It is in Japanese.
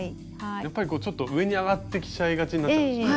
やっぱりこうちょっと上に上がってきちゃいがちになっちゃいますよね。